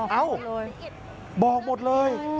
เอ้าบอกหมดเลย